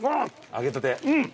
揚げたて。